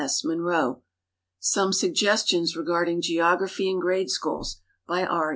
S. .Monroe; "Some Suggestions Regard ing Geograi)hy in Grade Schools," by R.